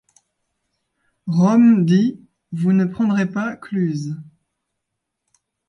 Rome dit : Vous ne prendrez pas Cluse.